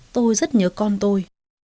tôi rất nhớ con tôi